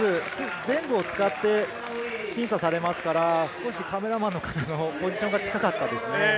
全部を使って審査されますからカメラマンの方のポジションが近かったですね。